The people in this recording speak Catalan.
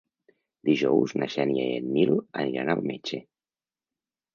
Dijous na Xènia i en Nil aniran al metge.